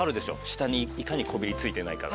下にいかにこびりついてないか。